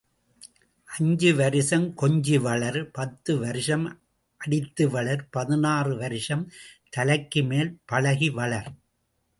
ஐந்து வருஷம் கொஞ்சி வளர் பத்து வருஷம் அடித்து வளர் பதினாறு வருஷம் தலைக்கு மேல் பழகி வளர்.